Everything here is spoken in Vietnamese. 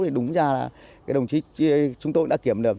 thì đúng ra cái đồng chí chúng tôi đã kiểm được